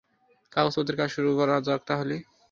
কাগজপত্রের কাজ শুরু করা যাক তাহলে।